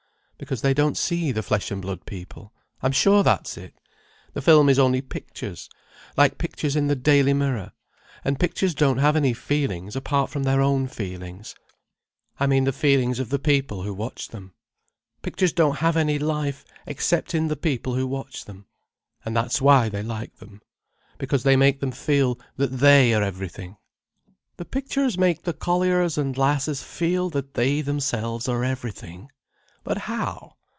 "Because they don't see the flesh and blood people. I'm sure that's it. The film is only pictures, like pictures in the Daily Mirror. And pictures don't have any feelings apart from their own feelings. I mean the feelings of the people who watch them. Pictures don't have any life except in the people who watch them. And that's why they like them. Because they make them feel that they are everything." "The pictures make the colliers and lasses feel that they themselves are everything? But how?